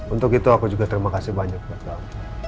untuk itu aku juga terima kasih banyak buat kamu